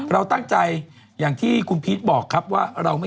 เราตั้งใจอย่างที่คุณพีชบอกครับว่าเราไม่